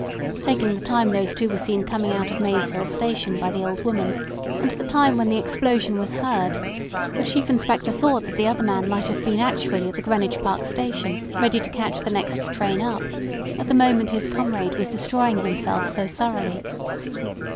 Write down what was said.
Taking the time those two were seen coming out of Maze Hill Station by the old woman, and the time when the explosion was heard, the Chief Inspector thought that the other man might have been actually at the Greenwich Park Station, ready to catch the next train up, at the moment his comrade was destroying himself so thoroughly.